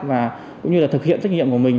và cũng như là thực hiện trách nhiệm của mình